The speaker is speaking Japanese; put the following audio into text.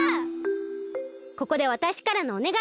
ここでわたしからのおねがい。